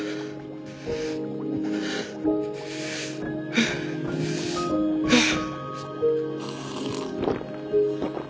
ハァハァ。